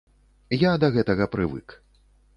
Я да гэтага прывык.